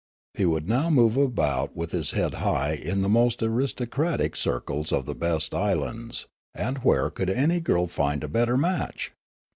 He would now move about wath his head high in the most aristocratic circles of the best 232 Riallaro islands, and where could any girl find a better match